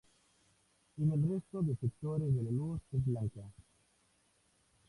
En el resto de sectores la luz es blanca.